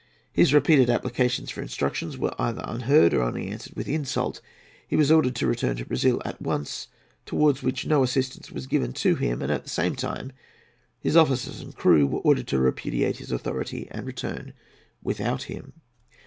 His repeated applications for instructions were either unheeded or only answered with insult. He was ordered to return to Brazil at once, towards which no assistance was given to him; and at the same time his officers and crew were ordered to repudiate his authority and to return without him.